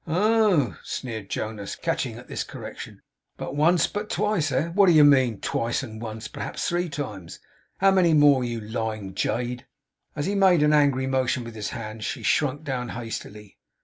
'Oh!' sneered Jonas, catching at this correction. 'But once, but twice, eh? Which do you mean? Twice and once, perhaps. Three times! How many more, you lying jade?' As he made an angry motion with his hand, she shrunk down hastily.